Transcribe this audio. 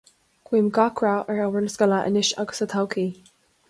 Guím gach rath ar obair na scoile anois agus sa todhchaí.